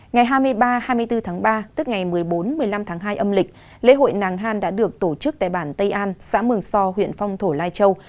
ngày hai mươi ba hai mươi bốn tháng ba tức ngày một mươi bốn một mươi năm tháng hai âm lịch lễ hội nàng han đã được tổ chức tại bản tây an xã mường so huyện phong thổ lai châu